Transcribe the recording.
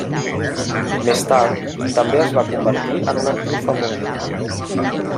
Més tard, també es va convertir en una actriu famosa.